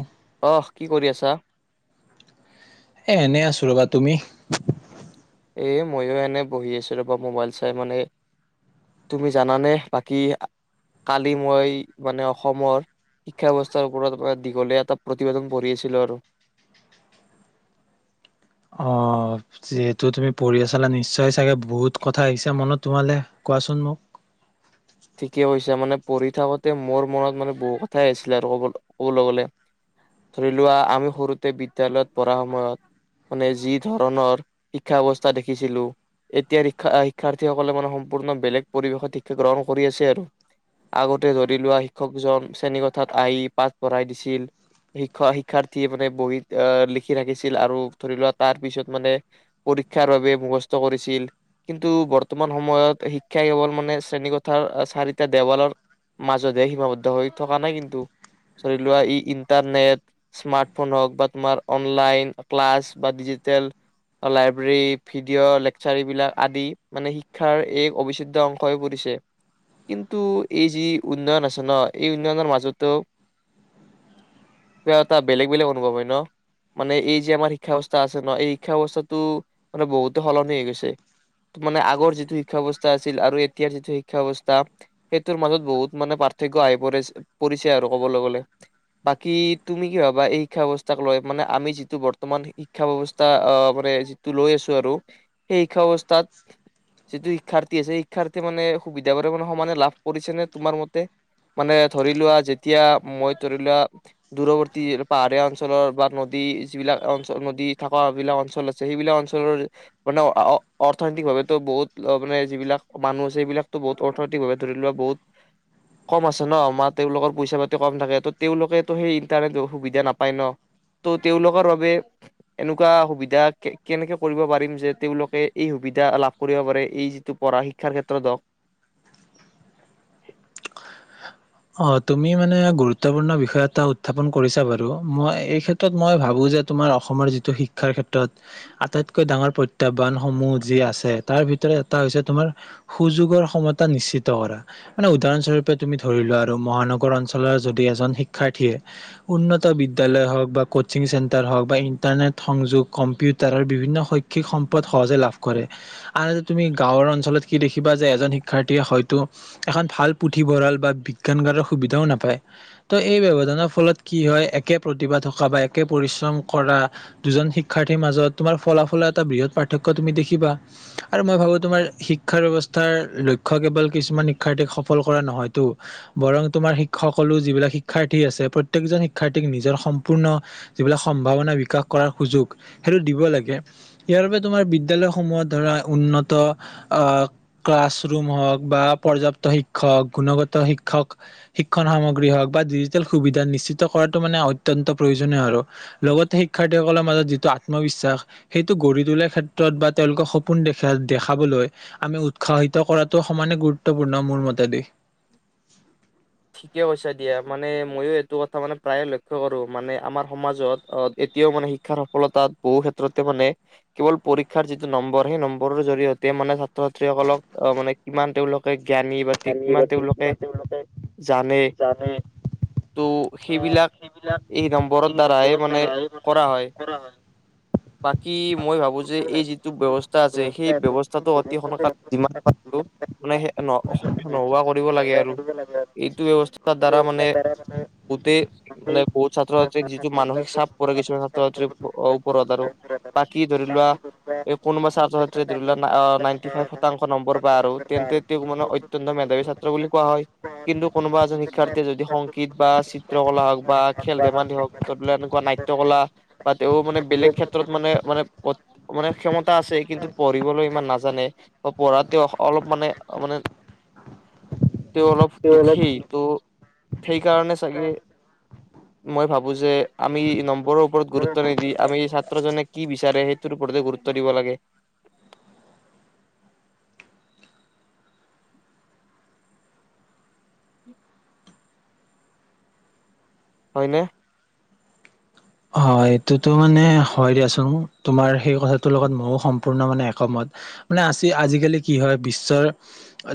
এহ অহ কি কৰি আছা? এ এনেই আছো ৰবা তুমি এ ময়ো এনে বহি আছিলো ক মোবাইল চাই মানে তুমি জানানে বাকী কালি মই মানে অসমৰ শিক্ষা ব্যৱস্থাৰ ওপৰত পুৰা দীঘলীয়া এটা প্ৰতিবেদন পঢ়ি আছিলো আৰু অ যিহেতু তুমি পঢ়ি ছালা নিশ্চয় চাগে বহুত কথা আহিছে মনত তোমালে কোৱাচোন মোক ঠিকে কৈছা মানে পঢ়ি থাকোতে মোৰ মনত মানে বহু কথাই আছিলে আৰু কব কবলৈ গ'লে ধৰি লোৱা আমি সৰুতে বিদ্যালয়ত পঢ়া সময়ত মানে যি ধৰণৰ শিক্ষা ব্যৱস্থা দেখিছিলো এতিয়া শিক্ষা শিক্ষাৰ্থীসকলে মানে সম্পূৰ্ণ বেলেগ পৰিৱেশত শিক্ষা গ্ৰহণ কৰি আছে আৰু আগতে ধৰি লোৱা শিক্ষকজন শ্ৰেণীকথাত আহি পাঠ পঢ়াই দিছিল শিক্ষ শিক্ষাৰ্থীয়ে মানে বহি আহ লিখি থাকিছিল আৰু ধৰি লোৱা তাৰ পিছত মানে পৰীক্ষাৰ বাবে মুখস্থ কৰিছিল কিন্তু বৰ্তমান সময়ত শিক্ষা কেৱল মানে শ্ৰেণী ল চাৰিটা দেৱালৰ মাজতহে সীমাবদ্ধ হৈ থকা নাই কিন্তু ধৰি লোৱা ই ইণ্টাৰনেট স্মাৰ্টফোন হওঁক বা তোমাৰ অনলাইন ক্লাছ বা ডিজিটেল লাইব্ৰেৰী, ভিডিঅ' লেকচাৰ এইবিলাক আদি মানে শিক্ষাৰ এই অবিচ্ছেদ্য অংশ হৈ পৰিছে। কিন্তু এই যি উন্নয়ন আছে ন এই উন্নয়নৰ মাজতো কিবা এটা বেলেগ বেলেগ অনুভৱ হয় ন মানে এই যে আমাৰ শিক্ষাৱস্থা আছে ন এই শিক্ষাৱস্থাটো মানে বহুতো সলনি হৈ গৈছে মানে আগৰ যিটো শিক্ষাব্যৱস্থা আছিল শিক্ষাব্যবস্থা সেইটোৰ মাজত বহুত মানে পাৰ্থক্য আহি প পৰিছে আৰু ক'বলৈ গ'লে বাকী তুমি কি ভাবা এই শিক্ষা ব্যৱস্থাক লৈ মানে আমি যিটো বৰ্তমান শিক্ষা ব্যৱস্থা আহ মানে যিটো লৈ আছোঁ আৰু সেই শিক্ষা ব্যৱস্থাত যিটো শিক্ষাৰ্থী আছে শিক্ষাৰ্থীয়ে মানে সুবিধা বোৰো মানে সমানে লাভ কৰিছেনে তোমাৰ মতে মানে ধৰি লোৱা যেতিয়া মই ধৰি লোৱা দূৰৱৰ্তী পাহাৰীয়া অঞ্চলৰ বা নদী যিবিলাক অঞ্চল নদী থকা বিলাক অঞ্চল আছে সেইবিলাক অঞ্চলৰ মানে অৰ্থনৈতিকভাৱে টো বহুত মানে যিবিলাক মানুহ আছে সেইবিলাক বহুত অৰ্থনৈতিক ভাৱে ধৰি লোৱা বহুত কম আছে ন মাৰ তেওঁলোকৰ পইচা পাতি কম থাকে ত' তেওঁলোকে তো সেই ইন্টাৰনেট সুবিধা নাপায় ন ত' তেওঁলোকৰ বাবে এনেকুৱা সুবিধা কেনেকে কৰিব পাৰিম যে তেওঁলোকে এই সুবিধা লাভ কৰিব পাৰে এই যিটো পঢ়া শিক্ষাৰ ক্ষেত্ৰত হওঁক অ তুমি মানে গুৰুত্বপূৰ্ণ বিষয় এটা উত্থাপন কৰিছা বাৰু মই এই ক্ষেত্ৰত মই ভাবো যে তোমাৰ অসমৰ যিটো শিক্ষাৰ ক্ষেত্ৰত আটাইতকৈ ডাঙৰ প্ৰত্যাহ্বান সমূহ যি আছে তাৰ ভিতৰত এটা হৈছে তোমাৰ সুযোগৰ সমতা নিশ্চিত কৰা মানে উদাহৰণ স্বৰূপে তুমি ধৰি লোৱা। আৰু মহানগৰ অঞ্চলৰ যদি এজন শিক্ষাৰ্থীয়ে উন্নত বিদ্যালয় হওঁক বা কচিং চেন্টাৰ হওঁক বা ইন্টাৰনেট সংযোগ কম্পিউাৰ বিভিন্ন শৈক্ষিক সম্পদ সহজে লাভ কৰে আনহাতে তুমি গাঁৱৰ অঞ্চলত কি দেখিবা যে এজন শিক্ষাৰ্থীয়ে হয়তো এখন ভাল পুথিভঁৰাল বা সুবিধাও নাপায় ত' এই ব্যৱধানৰ ফলত কি হয় একে প্ৰতিভা থকা বা একে পৰিশ্ৰম কৰা দুজন শিক্ষাৰ্থীৰ মাজত তোমাৰ ফলাফলৰ এটা বৃহৎ পাৰ্থক্য তুমি দেখিবা আৰু মই ভাবো তোমাৰ শিক্ষা ব্যৱস্থাৰ লক্ষ্য কেৱল কিছুমান শিক্ষাৰ্থীক সফল কৰা নহয়তো। বৰং তোমাৰ শিক্ষকসকলো যিবিলাক শিক্ষাৰ্থী আছে প্ৰত্যেকজন শিক্ষাৰ্থীক নিজৰ সম্পূৰ্ণ যিবিলাক সম্ভাৱনা বিকাশ কৰাৰ সুযোগ সেইটো দিব লাগে ইয়াৰ বাবে তোমাৰ বিদ্যালয়সমূহত ধৰা উন্নত আ ক্লাছৰুম হওঁক বা পৰ্যাপ্ত শিক্ষক গুণগত শিক্ষক। শিক্ষণ সামগ্ৰী হওঁক বা ডিজিটেল সুবিধা নিশ্চিত কৰাটো মানে অত্যন্ত প্ৰয়োজনীয় আৰু লগতে শিক্ষাৰ্থীসকলৰ মাজত যিটো আত্মবিশ্বাস। সেইটো গঢ়ি তোলাৰ ক্ষেত্ৰত বা তেওঁলোকৰ সপোন দেখ। যাক দেখাবলৈ আমি উৎসাহিত কৰাত ত সমানে গুৰুত্বপূৰ্ণ মোৰ মতে দি। ঠিকে কৈছা দিয়া মানে মইো এইটো কথা মানে প্ৰায়ে লক্ষ্য কৰো মানে আমাৰ সমাজত অ এতিয়াও মানে শিক্ষাৰ সফলতাত বহু ক্ষেত্ৰতে মানে কেৱল পৰীক্ষাৰ যিটো নম্বৰ সেই নম্বৰৰ জৰি়য়তে মানে ছাত্ৰ ছাত্ৰীসকলক আহ মানে কিমান তেওঁলোকে। জ্ঞানীবাতিক। কিমান তেওঁলোকে জানে ত' সেইবিলাক এই নম্বৰৰ দ্বাৰাহে মানে কৰা হয় বাকী মই ভাবো যে এই যিটো ব্যৱস্থা আছে সেই ব্যৱস্থাটো অতি সোনাল যিমান প মানে। নোহোৱা কৰিব লাগে আৰু এইটো ব্যৱস্থাৰ দ্বাৰা মানে বহুতে মানে বহুত ছাত্ৰ ছাত্ৰী যিটো মানসিক চাপ পৰে কিছুমান ছাত্ৰ ছাত্ৰী ওপৰত আৰু বাকি ধৰি লোৱা এই কোনোবা ছাত্ৰ ছাত্ৰীয়ে ধৰি লোৱা নাইনটি ফাইভ শতাংশ নম্বৰ পায় আৰু তেন্তে তেওঁক মানে। অতন্ত মেধৱী ছাত্ৰ বুলি কোৱা হয় কিন্তু কোনোবা এজন শিক্ষাৰ্থীয়ে যদি সংগীত বা চিত্ৰকলা হওক বা খেল ধেমালি হওক এনেকুৱা নাট্য কলা বা। তেওঁ মানে বেলেগ ক্ষেত্ৰত মানে মানে। মানে ক্ষমতা আছে কিন্তু পঢ়িবলৈ ইমান নাজানে পঢ়াতে অলপ মানে মানে। তেওঁ অলপ দুখেই ত। সেইকাৰণে চাগে। মই ভাৱো যে আমি নম্বৰৰ ওপৰত গুৰুত্ব নিদি আমি ছাত্ৰ জনে কি বিচাৰে সেইটোৰ ওপৰতে গুৰুত্ব দিব লাগে। উম। হয়নে? হয় এইটোতো মানে হয় দিয়াচোন তোমাৰ সেই কথাটোৰ লগত ময়ো সম্পূৰ্ণ মানে একমত মানে আজি আজিকালি কি হয় বিশ্বৰ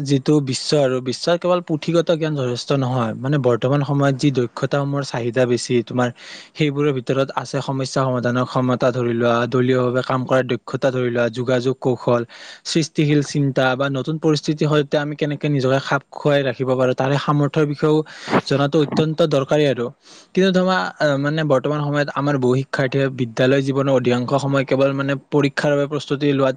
যিটো বিশ্ব আৰু বিশ্বৰ কেৱল পুথিগত জ্ঞান যথেষ্ট নহয় মানে বৰ্তমান সময়ত যি দক্ষতামূহৰ চাহিদা বেছি তোমাৰ সেইবোৰৰ ভিতৰত। ভিতৰত আছে সমস্যা সমাধানৰ ক্ষমতা ধৰি লোৱা দলীয় ভাৱে কাম কৰাৰ দক্ষতা ধৰি লোৱা যোগাযোগ কৌশল সৃষ্টিশীল চিন্তা বা নতুন পৰিস্থিতিৰ সৈতে আমি কেনেকে নিজকে খাপ খুৱাই ৰাখিব পাৰো তাৰে সামৰ্থয়ৰ বিষয়েও জাতো অত্য়ন্ত দৰকাৰী আৰু কিন্তু ধৰা মানেৰ। বৰ্তমান সময়ত আমাৰ বহু শিক্ষাৰ্থীয়ে বিদ্যালয় জীৱনৰ অধিকাংশ সময় কেৱল মানে পৰীক্ষাৰ বাবে প্ৰস্তুতি লোৱাত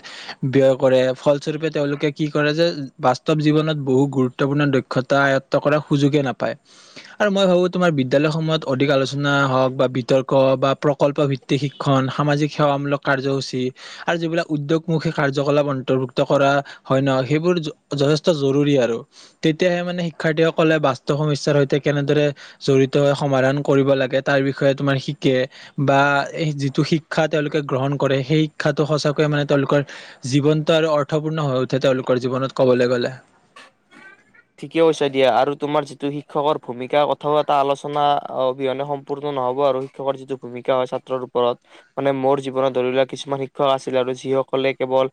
ব্যয় কৰে ফলস্বৰূপে তেওঁলোকে কি কৰে যে বাস্তৱ জীৱনত বহু গুৰুত্বপূৰ্ণ দক্ষতা আয়ত্ব কৰাৰ সুযোগে নাপায় আৰু মই ভাবো তোমাৰ বিদ্যালয়সমূহত অধিক আলোচনা হওক বা। বিতৰ্ক বা প্ৰকল্প ভিত্তিক শিক্ষণ সামাজিক সেৱামূলক কাৰ্যসূচী আৰু যিবিলাক উদ্যোগমূখী কাৰ্যকলাপ অন্তৰ্ভুক্ত কৰা হয় ন সেইবোৰ যথেষ্ট জৰুৰী আৰু তেতিয়াহে মানে শিক্ষাৰ্থীসকলে বাস্তৱ সমস্যয়াৰ সৈতে কেনেদৰে জড়িত হৈ সমাধান কৰিব লাগে তাৰ বিষয়ে। তোমাৰ শিকে বা যিটো শিক্ষা তেওঁলোকে গ্ৰহণ কৰে সেই শিক্ষাটো সঁচাকয়ে মানে তেওঁলোকৰ জীৱনটো আৰু অৰ্থপূৰ্ণ হৈ উঠে তেওঁলোকৰ জীৱনত ক'বলৈ গ'লে। ঠিকে কৈছ দিয়া আৰু তোমাৰ যিটো শিক্ষকৰ ভূমিকা কথাও এটা আলোচনা অবিহনে সম্পূৰ্ণ নহব আৰু শিক্ষকৰ যিটো ভূমিকা হয় ছাত্ৰৰ ওপৰত মানে মোৰ জীৱনত ধৰি লোৱা কিছুমান শিক্ষক আছিল আৰু যিসকলে কেৱল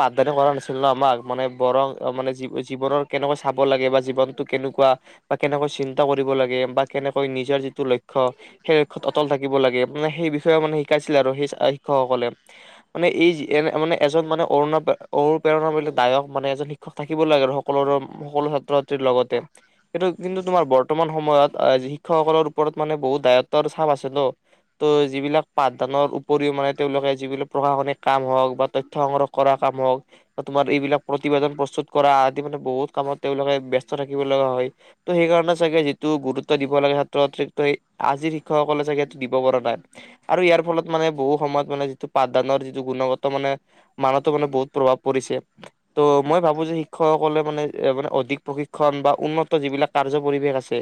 পাঠদানি কৰা নাছিল ন আমাক মানে বৰং মানে জীৱনৰ কেনেকুৱা। চাব লাগে বা জীৱনটো কেনেকুৱা বা কেনেকৈ চিন্তা কৰিব লাগে বা কেনেকৈ নিজৰ যিটো লক্ষ্য সেই লক্ষ্য়ত অটল থাকিব লাগে মানে সেই বিষয়ে মানে শিকাইছিলে আৰু সেই শিক্ষকসকলে মানে এই এনে মানে এজন মানে অৰুণা অৰুণপ্ৰেৰণিলাক দায়ক মানে এজন শিক্ষক থাকিব লাগে আৰু সকলোৰে। সকলো ছাত্ৰ ছাত্ৰীৰ লগতে কিটো কিন্তু তোমাৰ বৰ্তমান সময়ত শিক্ষকসকলৰ ওপৰত মানে বহুত দায়ত্বৰ চাপ আছে ন ত' যিবিলাক পাঠদানৰ উপৰিও মানে তেওঁলোকে যিবিলাক প্ৰশাসনিক কাম হওঁক বা তথ্য সংগ্ৰহ কৰা কাম হওক বা তোমাৰ এইবিলাক প্ৰতিবেদন প্ৰস্তুত কৰা আদি মানে বহুত। কামত তেওঁলোকে ব্যস্ত থাকিব লগা হয় ত' সেই কাৰণে চাগে যিটো গুৰুত্ব দিব লাগে ছাত্ৰ ছাত্ৰী ত আজিৰ শিক্ষকসকলে চাগে সেইটো দিব পৰা নাই আৰু ইয়াৰ ফলত মানে বহু সময়ত মানে যিটো পাঠদানৰ যিটো গুণগত মানে মানতো মানে বহুত প্ৰভাৱ পৰিছে ত' মই ভাবো যে শিক্ষকসকলে মানে। এ মানে অধিক প্ৰশিক্ষণ বা উন্নত যিবিলাক কাৰ্য পৰিৱেশ আছে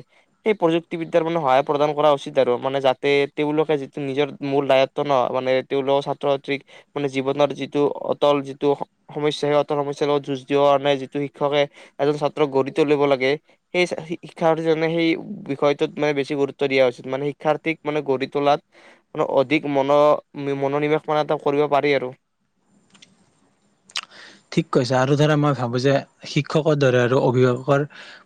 সেই প্ৰযুক্তিবিদ্যয়াৰ মানে সহায় প্ৰদান কৰা উচিত আৰু মানে যাতে তেওঁলোকে যিটো নিজৰ মূল দায়ত্ব ন মানে তেওঁলোকৰ ছাত্ৰ ছাত্ৰীক মানে জীৱনৰ যিটো অটল যিটো সমস্যা সেই অটল সমস্যাৰ লগত যুঁজ দিবৰ কাৰণে যিটো শিক্ষকে। এজন ছাত্ৰক গঢ়ি তুলিব লাগে সেই শিক্ষাৰ্থীজনে সেই বিষয়টোত মানে বেছি গুৰুত্ব দিয়া উচিত মানে শিক্ষাৰ্থীক মানে গঢ়ি তোলাত অধিক মন মনোনিৱেশ মানে এটা কৰিব পাৰি আৰু। ঠিক কৈছা আৰু ধৰা মই ভাবোঁ যে শিক্ষকৰ দৰে আৰু অভিভাৱকৰ।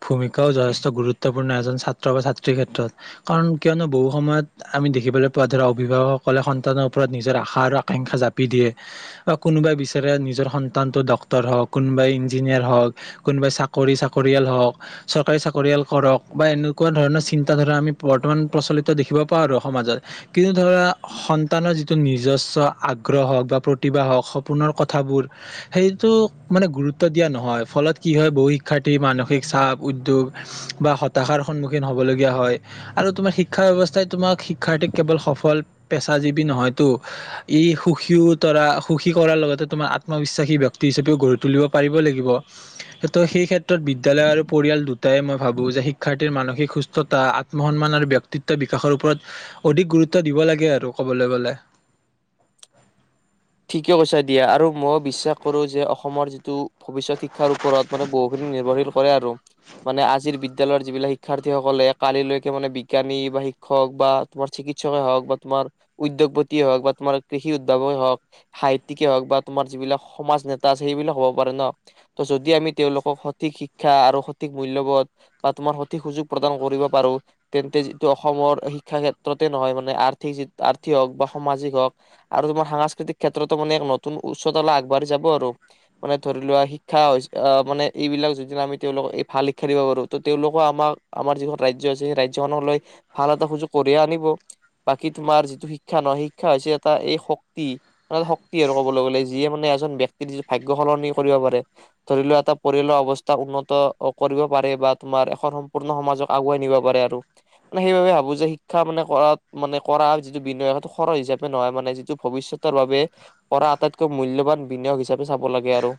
ভূমিকাও যথেষ্ট গুৰুত্ব। এজন ছাত্ৰ বা ছাত্ৰীৰ ক্ষেত্ৰত কাৰণ কিয়নো বহু সময়ত আমি দেখিবলৈ পোৱা ধৰা অভিভাৱকসকলে সন্তানৰ ওপৰত নিজৰ আশা আৰু আকাংক্ষা জাপি দিয়ে বা কোনোবাই বিচাৰে নিজৰ স। সন্তানটো ডক্ক্তৰ হওক কোনোবাই ইঞ্জিনিয়াৰ হওক কোনোবাই চাকৰি চাকৰিয়াল হওক চৰকাৰী চাকৰিয়াল কৰক বা এনেকুৱা ধৰণৰ চিন্তা ধৰাৰা আমি বৰ্তমান প্ৰচলিত দেখিব পাওঁ আৰু সমাজত কিন্তু ধৰা সন্তানৰ যিটো নিজস্ব আগ্ৰহ হওক বা প্ৰতিভা হওক সপোনৰ কথাবোৰ। সেইটো মানে গুৰুত্ব দিয়া নহয় ফলত কি হয় বহু শিক্ষাৰ্থীৰ মানসিক চাপ উদ্যোগ বা হতাশাৰ সন্মুখীন হবলগীয়া হয় আৰু তোমাৰ শিক্ষা ব্যৱস্থাই তোমাক শিক্ষাৰ্থীক কেৱল সফল পেচাজীৱী নহয়তো ই সুখীও তৰা সুখী কৰাৰ লগতে তোমাৰ। আত্মবিশ্বাসী ব্যক্তি হিচাপেও গঢ়ি তুলিব পাৰিব লাগিব ত সেই ক্ষেত্ৰত। বিদ্যালয় আৰু পৰিয়াল দু। তাকে মই ভাবো যে শিক্ষাৰ্থীৰ মানসিক সুস্থতা আত্মসন্মান আৰু ব্যক্তিত্ব বিকাশৰ ওপৰত অধিক গুৰুত্ব দিব লাগে আৰু ক'বলৈ গলে। ঠিকে কৈছা দিয়া আৰু মই বিশ্বাস কৰো যে অসমৰ যিটো ভৱিষ্যত শিক্ষাৰ ওপৰত মানে বহুখিনি নিৰ্ভৰশীল কৰে আৰু মানে আজিৰ বিদায়লয়ৰ যিবিলাক শিক্ষাৰ্থীসকলে কালিলৈকে মানে বিজ্ঞানী বা শিক্ষক বা তোমাৰ চিকিৎসকে হওক বা তোমাৰ উদ্যোগপতিয়ে হওক বা তোমাৰ কৃষি উদাৱকেই হওঁক্, সাহিত্যিকে হওক বা তোমাৰ যিবিলাক সমাজ নেতা আছে সেইবিলাক হ'ব পাৰে ন ত যদি আমি তেওঁলোকক সঠিক শিক্ষা আৰু সঠিক মূল্যবত বা তোমাৰ সঠিক সুযোগ প্ৰদান কৰিব পাৰো তেন্তে যিটো অসমৰ শিক্ষা ক্ষেত্ৰতে নহয় মানে আৰ্থিকি আৰ্থিক হওক বা সামাজিক হওঁক আৰু তোমাৰ সাংস্কৃতিক। ক্ষেত্ৰতো মানে এক নতুন উচ্চতলা আগবাঢ়ি যাব আৰু মানে ধৰি লোৱা শিক্ষা আহ মানে এইবিলাক যদি আমি তেওঁলোকক এই ভাল শিক্ষা দিব পাৰো ত তেওঁলোকো আমাক আমাৰ যিখন ৰাজ্য আছে সেই ৰাজ্যখনলৈ ভাল এটা সুযোগ কঢ়িয়াই আনিব বাকী তোমাৰ যিটো শিক্ষা নহয় শিক্ষা হৈছে এটা এই শক্তি। শক্তি আৰু ক'বলৈ গ'লে যিয়ে মানে এজন ব্যক্তিৰ যি ভাগয় সলনি কৰিব পাৰে ধৰি লও এটা পৰিয়ালৰ অৱস্থা উন্নত কৰিব পাৰে বা তোমাৰ এখন সম্পূৰ্ণ সমাজক আগুৱাই নিব পাৰে আৰু মানে সেইবাবে ভাবো যে শিক্ষা মানে কৰাত মানে কৰা যিটো বিন সেইটো সৰ হিচাপে নহয় মানে যিটো ভৱিষ্যত। কৰাৰ বাবে পৰা আটাইতকৈ মূল্যবান বিনিয়োগ হিচাপে চাব লাগে আৰু,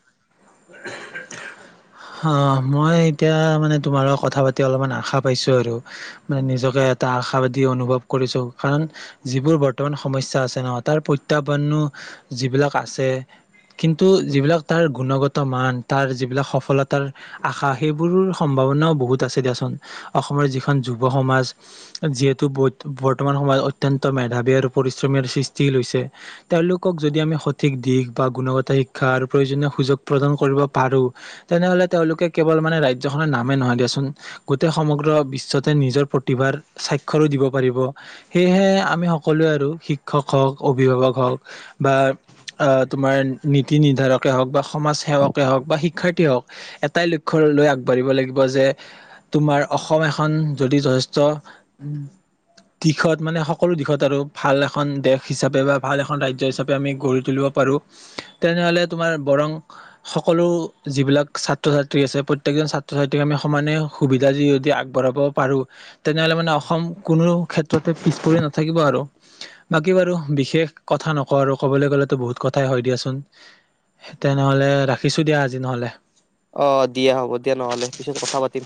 অ মই এতিয়া মানে তোমাৰ লগ কথা পাতি অলপমান আশা পাইছো আৰু মানে নিজকে এটা আশাবাদী অনুভৱ কৰিছো কাৰণ যিবোৰ বৰ্তমান সমস্যা আছে ন তাৰ প্ৰত্যাহ্বানো যিবিলাক আছে কিন্তু যিবিলাক তাৰ গুণগত মান তাৰ যিবিলাক সফলতা। তাৰ আশা সেইবোৰৰ সম্ভাৱনাও বহুত আছে দিয়াচোন অসমৰ যিখন যুৱ সমাজ যিহেতু বৰ্তমান সময়ত অত্ন্ত মেধাৱী আৰু পৰিশ্ৰমীৰ সৃষ্টি লৈছে তেওঁলোকক যদি আমি সঠিক দিশ বা গুণগত শিক্ষা আৰু প্ৰয়োজনীয় সুযোগ প্ৰদান কৰিব পাৰো তেনেহ'লে তেওঁলোকে কেৱল মানে ৰাজ্যখনৰ নামেই নহয় দিয়াচোন গোটেই সমগ্ৰ বিশ্বতে নিজৰ প্ৰতিভাৰ স্বাক্ষৰো দিব পাৰিব সেয়েহে আমি সকলোৱে আৰু- শিক্ষক হওক, অভিভাৱক হওক বা তোমাৰ নীতি নিৰ্ধাৰকে হওক বা সমাজ সেৱকে হওক বা শিক্ষাৰ্থীয়ে হওক। এটাই লক্ষ্য লৈ আগবাঢ়িব লাগিব যে তোমাৰ অসম এখন যদি যথেষ্ট দিশত মানে সকলো দিশত আৰু ভাল এখন দেশ হিচাপে বা ভাল এখন ৰাজ্য হিচাপে আমি গঢ়ি তুলিব পাৰো, তেনেহলে তোমাৰ বৰং সকলো যিবিলাক ছাত্ৰ-ছাত্ৰী আছে, প্ৰত্যেককজন ছাত্ৰ-ছাত্ৰীক আমি সমানে সুবিধা যদি আগবঢ়াব পাৰো তেনেহলে মানে অসম কোনো ক্ষেত্ৰতে পিছ পৰি নাথাকিব আৰু বাকী বাৰু বিশেষ কথা নকওঁ আৰু ক'বলৈ গ'লেতো বহুত কথাই হয় দিয়াচোন। তেনেহলে ৰাখিছো দিয়া আজি নহ'লে। অ দিয়া, হ'ব দিয়া নহ'লে। পিছত কথা পাতিম।